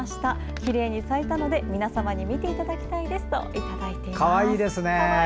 きれいに咲いたので皆様に見ていただきたいですとかわいいですね。